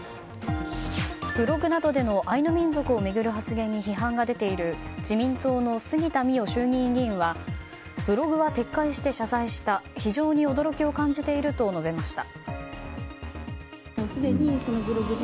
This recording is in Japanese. ブログなどでのアイヌ民族を巡る発言に批判が出ている自民党の杉田水脈衆院議員はブログは撤回して謝罪した非常に驚きを感じていると述べました。